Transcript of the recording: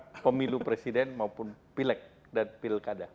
ya targetnya pemilu presiden maupun pileg dan pilkada